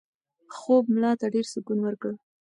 خوب ملا ته ډېر سکون ورکړ.